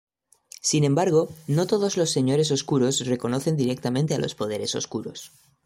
Sin embargo, no todos los Señores Oscuros reconocen directamente a los Poderes Oscuros.